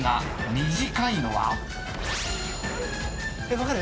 分かる？